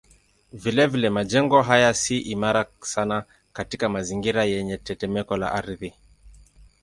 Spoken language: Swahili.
Vilevile majengo haya si imara sana katika mazingira yenye tetemeko la ardhi.